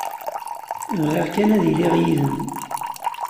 Bɣiɣ kan ad iliɣ yid-m.